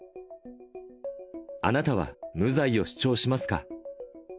あなたは無罪を主張しますか？